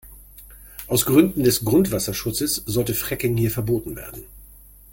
Aus Gründen des Grundwasserschutzes sollte Fracking hier verboten werden.